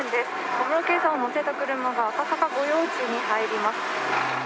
小室圭さんを乗せた車が赤坂御用地に入ります。